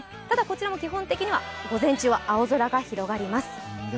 ただ、こちらも基本的には午前中は青空が広がります。